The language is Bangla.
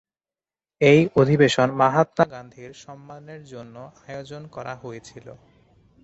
এই অধিবেশন মহাত্মা গান্ধীর সম্মানের জন্য আয়োজন করা হয়েছিল।